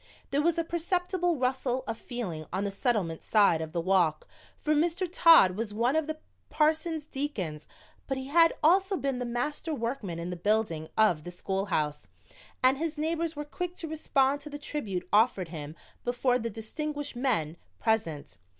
There was a perceptible rustle of feeling on the Settlement side of the walk, for Mr. Todd was one of the parson's deacons, but he had also been the master workman in the building of the schoolhouse, and his neighbors were quick to respond to the tribute offered him before the distinguished men present.